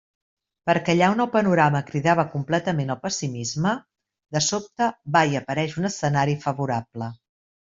Perquè allà on el panorama cridava completament al pessimisme, de sobte va i apareix un escenari favorable.